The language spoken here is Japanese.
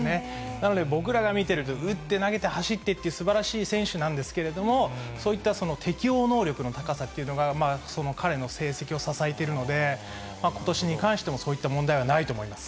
なので、僕らが見てると、打って投げて走ってって、すばらしい選手なんですけれども、そういった適応能力の高さっていうのが、まあその彼の成績を支えているので、ことしに関しても、そういった問題はないと思います。